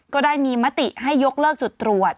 ก็ได้มีมติให้ยกเลิกจุดตรวจ